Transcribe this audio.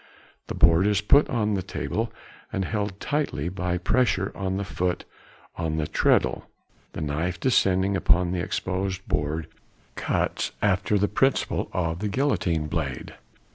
The board is put on the table and held tight by pressure of the foot on the treadle; the knife descending upon the exposed board cuts after the principle of the guillotine blade.